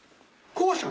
校舎。